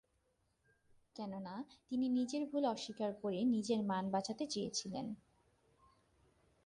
কেননা তিনি "নিজের ভুল অস্বীকার করে নিজের মান বাঁচাতে চেয়েছিলেন।"